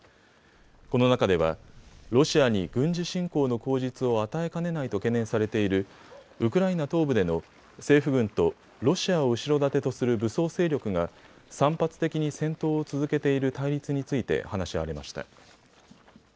この中ではロシアに軍事侵攻の口実を与えかねないと懸念されているウクライナ東部での政府軍とロシアを後ろ盾とする武装勢力が散発的に戦闘を続けている対立について話し合われました。